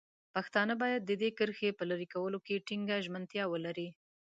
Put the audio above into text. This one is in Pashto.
پښتانه باید د دې کرښې په لرې کولو کې ټینګه ژمنتیا ولري.